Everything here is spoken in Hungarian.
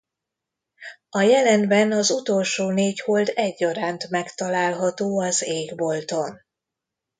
A jelenben az utolsó négy hold egyaránt megtalálható az égbolton.